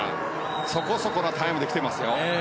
そこそこのタイムで来てますよ。